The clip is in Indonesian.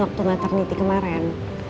waktu maternity kemaren